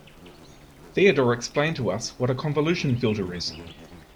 Theodore explained to us what a convolution filter is.